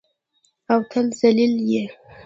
او ته ذلیل یې.